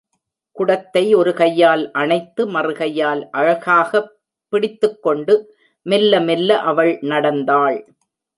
குடத்தை ஒரு கையால் அணைத்து, மறுகையால் அழகாகப் பிடித்துக்கொண்டு மெல்ல மெல்ல அவள் நடந்தாள்.